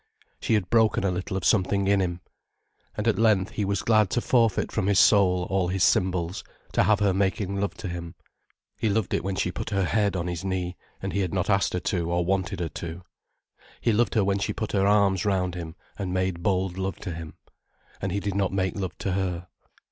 She had broken a little of something in him. And at length he was glad to forfeit from his soul all his symbols, to have her making love to him. He loved it when she put her head on his knee, and he had not asked her to or wanted her to, he loved her when she put her arms round him and made bold love to him, and he did not make love to her.